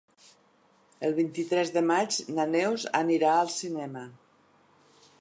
El vint-i-tres de maig na Neus anirà al cinema.